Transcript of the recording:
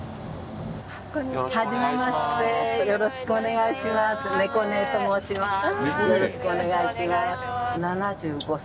よろしくお願いします。